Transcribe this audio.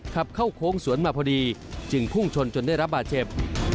ขับเข้าโค้งสวนมาพอดีจึงพุ่งชนจนได้รับบาดเจ็บ